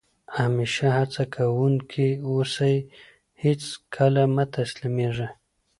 همېشه هڅه کوونکی اوسى؛ هېڅ کله مه تسلیمېږئ!